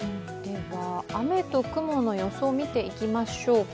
雨と雲の予想を見ていきましょうか。